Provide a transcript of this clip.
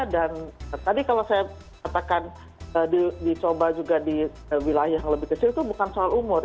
dan tadi kalau saya katakan dicoba juga di wilayah yang lebih kecil itu bukan soal umur